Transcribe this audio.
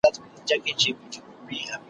« ځنګل چی اور واخلی نو وچ او لانده ګډ سوځوي» ,